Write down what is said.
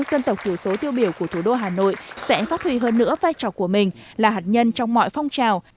dân tộc thiểu số tiêu biểu của thủ đô hà nội sẽ phát huy hơn nữa vai trò của mình là hạt nhân trong mọi phong trào